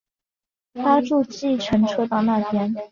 搭著计程车到那边